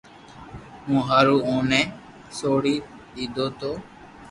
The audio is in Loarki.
مون ھارو اي نو سوڙي دو تو